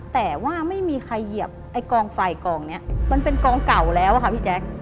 แต่ว่าไม่มีใครเหยียบไอ้กองไฟกองนี้มันเป็นกองเก่าแล้วอะค่ะพี่แจ๊ค